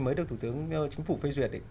mới được thủ tướng chính phủ phê duyệt